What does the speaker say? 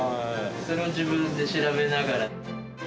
それを自分で調べながら。